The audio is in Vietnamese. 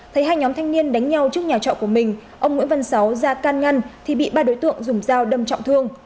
thấy hai nhóm thanh niên đánh nhau trước nhà trọ của mình ông nguyễn văn sáu ra can ngăn thì bị ba đối tượng dùng dao đâm trọng thương